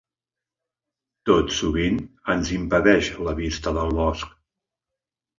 Tot sovint ens impedeix la vista del bosc.